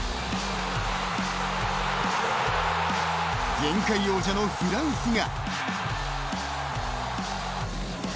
前回王者のフランスが。